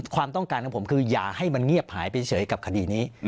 ความต้องการของผมคืออย่าให้มันเงียบหายไปเฉยกับคดีนี้